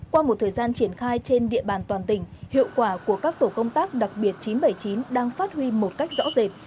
qua một thời gian triển khai trên địa bàn toàn tỉnh hiệu quả của các tổ công tác đặc biệt chín trăm bảy mươi chín đang phát huy một cách rõ rệt